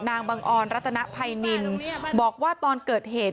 บังออนรัตนภัยนินบอกว่าตอนเกิดเหตุ